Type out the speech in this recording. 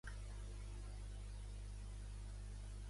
Viu a Innerleithen, a la frontera amb Escòcia.